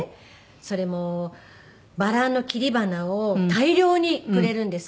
それもバラの切り花を大量にくれるんです。